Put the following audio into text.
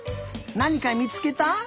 なにかみつけた？